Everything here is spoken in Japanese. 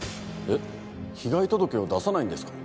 えっ被害届を出さないんですか？